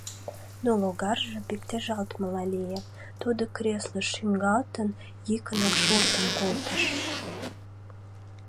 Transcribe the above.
Но логарже пиктежалтмыла лие, тудо, креслыш шуҥгалтын, йӱкынак шортын колтыш.